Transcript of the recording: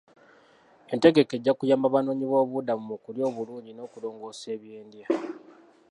Entegeka ejja kuyamba abanoonyi b'obubuddamu mu kulya obulungi n'okulongoosa eby'endya.